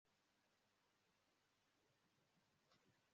Ntabwo wigeze umbwira ko ushobora kuvuga igifaransa